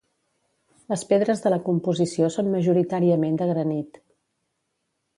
Les pedres de la composició són majoritàriament de granit.